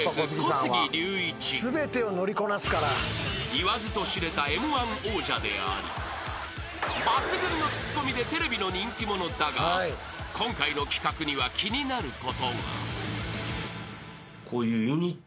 ［言わずと知れたＭ−１王者であり抜群のツッコミでテレビの人気者だが今回の企画には］それ以来なので。